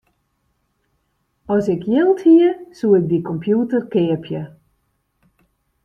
As ik jild hie, soe ik dy kompjûter keapje.